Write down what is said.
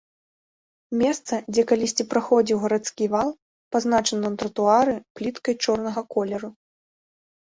Месца, дзе калісьці праходзіў гарадскі вал, пазначана на тратуары пліткай чорнага колеру.